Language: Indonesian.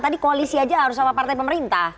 tadi koalisi aja harus sama partai pemerintah